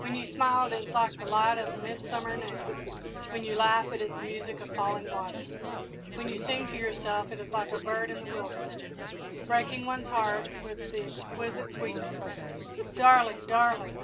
When you smile it is like the light of a midsummer noon; when you laugh it is the music of falling waters; when you sing to yourself it is like a bird in the wilderness, breaking one's heart with the exquisite sweetness of it. Darling! darling!"